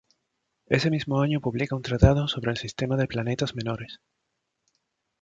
Ese mismo año publica un tratado sobre el sistema de planetas menores.